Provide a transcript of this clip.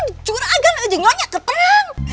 di juragan aja nyonya keperang